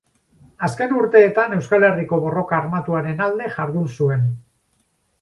Azken urteetan Euskal Herriko borroka armatuaren alde jardun zuen.